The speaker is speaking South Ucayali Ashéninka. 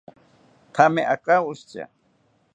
Thame akawoshita